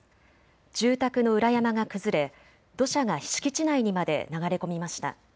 住宅の裏山が崩れ、土砂が敷地内にまで流れ込みました。